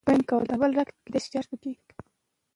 تودوخه د خولې د بوی په شدت اغېز کوي.